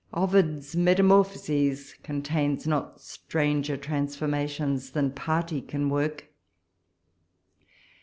Ovid's "Metamorphoses" con tains not stranger transformations than party can work.